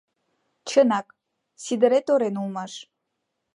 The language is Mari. Чынак, Сидырет орен улмаш...